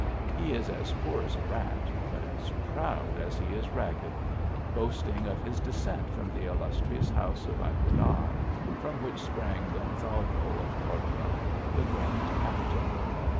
He is as poor as a rat, but as proud as he is ragged, boasting of his descent from the illustrious house of Aguilar, from which sprang Gonsalvo of Cordova, the Grand captain.